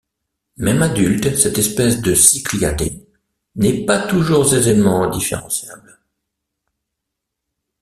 Même adulte cette espèce de cichlidae n'est pas toujours aisément différentiable.